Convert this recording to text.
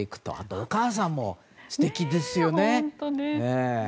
お母さんも素敵ですよね。